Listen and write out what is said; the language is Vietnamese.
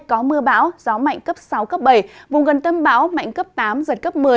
có mưa bão gió mạnh cấp sáu cấp bảy vùng gần tâm bão mạnh cấp tám giật cấp một mươi